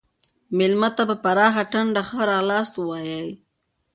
مېلمه ته په پراخه ټنډه ښه راغلاست ووایئ.